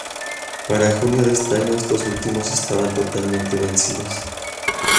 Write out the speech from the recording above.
Para junio de ese año estos últimos estaban totalmente vencidos.